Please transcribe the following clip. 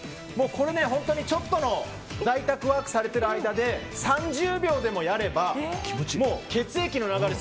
これね、本当にちょっとの在宅ワークされている間で３０秒でもやれば血液の流れ